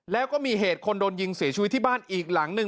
แล้วก็มีเหตุคนโดนยิงเสียชีวิตที่บ้านอีกหลังหนึ่ง